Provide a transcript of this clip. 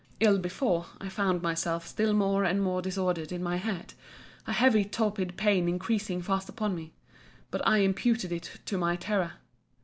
Ill before, I found myself still more and more disordered in my head; a heavy torpid pain increasing fast upon me. But I imputed it to my terror.